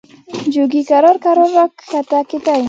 جوګي کرار کرار را کښته کېدی.